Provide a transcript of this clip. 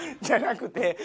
じゃなくて。